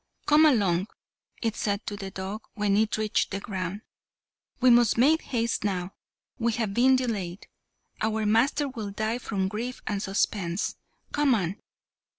"Come along," it said to the dog when it reached the ground. "We must make haste now. We have been delayed. Our master will die from grief and suspense. Come on."